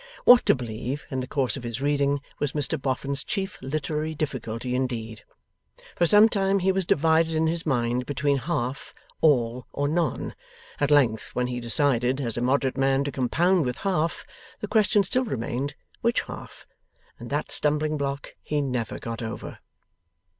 What to believe, in the course of his reading, was Mr Boffin's chief literary difficulty indeed; for some time he was divided in his mind between half, all, or none; at length, when he decided, as a moderate man, to compound with half, the question still remained, which half? And that stumbling block he never got over.